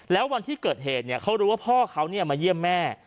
แล้ววันที่เกิดเหตุเขารู้ว่าพ่อเขามาเยี่ยมแม่